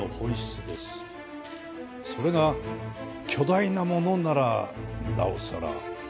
それが巨大なものならなおさら。